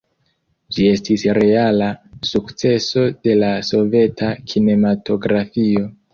Ĝi estis reala sukceso de la soveta kinematografio.